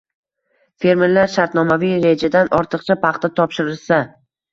fermerlar shartnomaviy rejadan ortiqcha paxta topshirsa